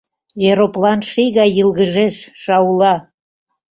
Ероплан ший гай йылгыжеш, шаула.